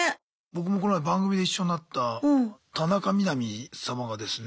僕もこの前番組で一緒になった田中みな実様がですね。